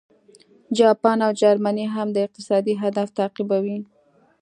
جاپان او جرمني هم دا اقتصادي هدف تعقیبوي